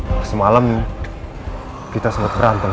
ya dia sempet minta izin tapi kan aku gak ngijinin ma